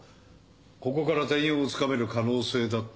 ここから全容をつかめる可能性だって。